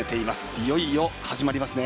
いよいよ始まりますね。